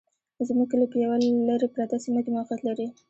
زموږ کلي په يوه لري پرته سيمه کي موقعيت لري